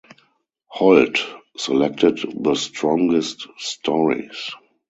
Holt selected the strongest stories.